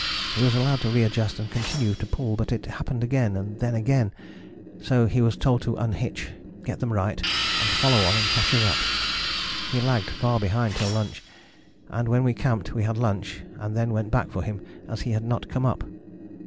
He was allowed to readjust and continue to pull, but it happened again, and then again, so he was told to unhitch, get them right, and follow on and catch us up. He lagged far behind till lunch, and when we camped we had lunch, and then went back for him as he had not come up.